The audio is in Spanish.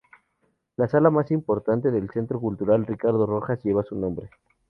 La sala más importante del Centro Cultural Ricardo Rojas lleva su nombre.